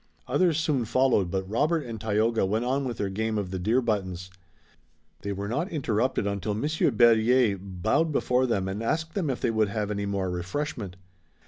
Others soon followed but Robert and Tayoga went on with their game of the deer buttons. They were not interrupted until Monsieur Berryer bowed before them and asked if they would have any more refreshment.